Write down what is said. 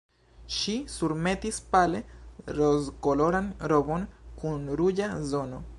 Ŝi surmetis pale rozkoloran robon kun ruĝa zono.